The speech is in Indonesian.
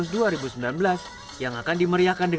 sambungan anggaran nerg welcoming